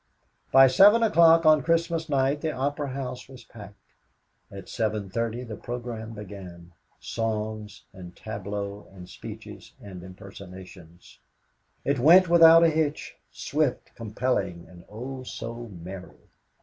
By seven o'clock of Christmas night, the Opera House was packed. At seven thirty the program began songs and tableaux and speeches and impersonations. It went without a hitch swift, compelling, and, oh, so merry.